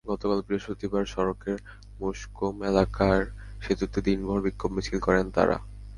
গতকাল বৃহস্পতিবার সড়কের মুষকুম এলাকার সেতুতে দিনভর বিক্ষোভ মিছিল করেন তাঁরা।